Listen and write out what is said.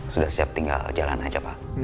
sudah siap tinggal jalan aja pak